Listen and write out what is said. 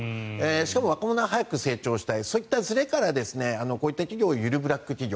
しかも若者は早く成長したいそのずれからそういう企業をゆるブラック企業。